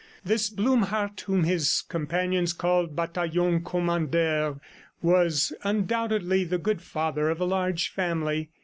This Blumhardt whom his companions called Bataillon Kommandeur, was undoubtedly the good father of a large family.